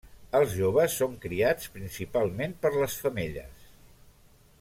Els joves són criats principalment per les femelles.